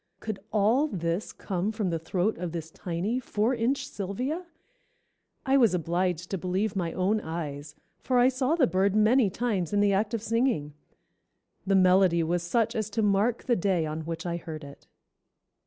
Could all this come from the throat of this tiny, four inch Sylvia? I was obliged to believe my own eyes, for I saw the bird many times in the act of singing. The melody was such as to mark the day on which I heard it."